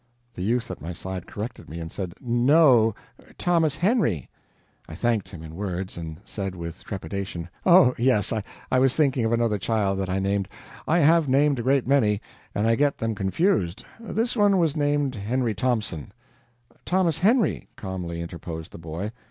The youth at my side corrected me, and said: "No, Thomas Henry." I thanked him in words and said, with trepidation: "O yes I was thinking of another child that I named I have named a great many, and I get them confused this one was named Henry Thompson " "Thomas Henry," calmly interposed the boy.